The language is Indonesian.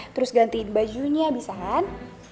terus ganti bajunya bisa kan